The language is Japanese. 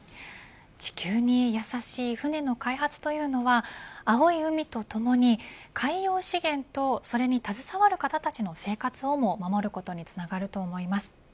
地球に優しい船の開発というのは青い海とともに海洋資源とそれに携わる方たちの生活をも守ることにつながると思います。